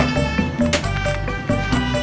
bang kopinya nanti aja ya